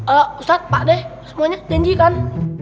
oh ustadz pak deh semuanya janji kan